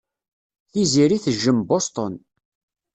Tiziri tejjem Boston.